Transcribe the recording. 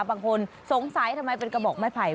บางคนสงสัยทำไมเป็นกระบอกไม้ไผ่